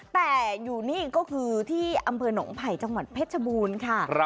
แต่อยู่นี่ก็คือที่อำเภอหนองไผ่จังหวัดเพชรบูรณ์ค่ะ